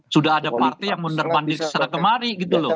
sudah ada partai yang mundur banding secara kemari gitu loh